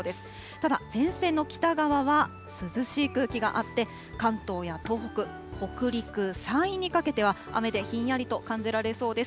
ただ、前線の北側は涼しい空気があって、関東や東北、北陸、山陰にかけては、雨でひんやりと感じられそうです。